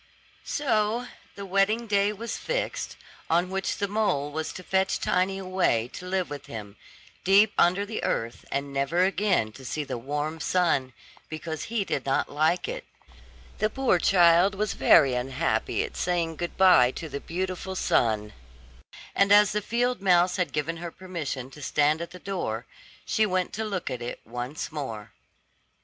So the wedding day was fixed, on which the mole was to fetch Tiny away to live with him, deep under the earth, and never again to see the warm sun, because he did not like it. The poor child was very unhappy at the thought of saying farewell to the beautiful sun, and as the field mouse had given her permission to stand at the door, she went to look at it once more.